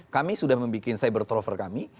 kami sudah membuat cybertrover kami